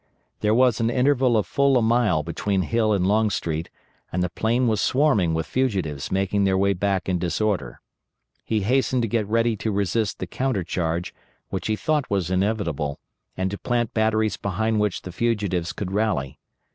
There was an interval of full a mile between Hill and Longstreet, and the plain was swarming with fugitives making their way back in disorder. He hastened to get ready to resist the counter charge, which he thought was inevitable, and to plant batteries behind which the fugitives could rally.